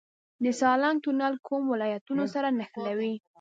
د سالنګ تونل کوم ولایتونه سره نښلوي؟